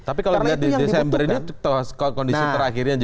tapi kalau lihat di desember ini kondisi terakhirnya juga seperti itu